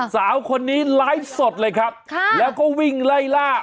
สาวคนนี้ไลฟ์สดเลยครับแล้วก็วิ่งไล่ล่า